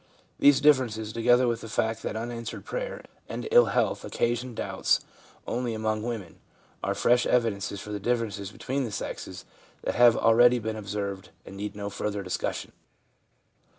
These differences, together with the fact that unanswered prayer and ill health occasion doubts only among women, are fresh evidences for the differences between the sexes that have already been observed and need no further discussion.